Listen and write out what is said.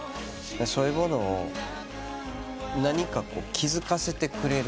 そういうものを何か気付かせてくれるという。